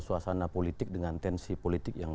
suasana politik dengan tensi politik yang